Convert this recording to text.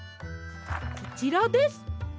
こちらです。